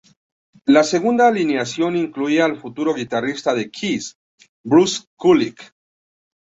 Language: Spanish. La segunda alineación, incluía al futuro guitarrista de Kiss, Bruce Kulick.